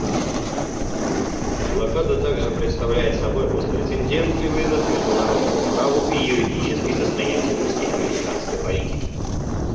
Блокада также представляет собой беспрецедентный вызов международному праву и юридической состоятельности американской политики.